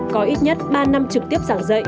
có ít nhất ba năm trực tiếp giảng dạy